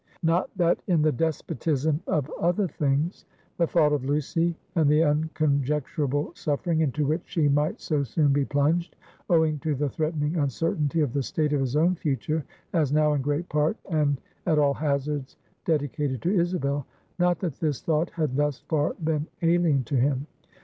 Not that in the despotism of other things, the thought of Lucy, and the unconjecturable suffering into which she might so soon be plunged, owing to the threatening uncertainty of the state of his own future, as now in great part and at all hazards dedicated to Isabel; not that this thought had thus far been alien to him.